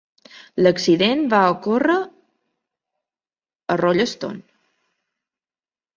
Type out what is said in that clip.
L'accident va ocórrer a Rolleston.